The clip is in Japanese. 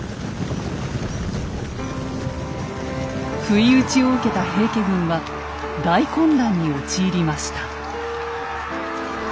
不意打ちを受けた平家軍は大混乱に陥りました。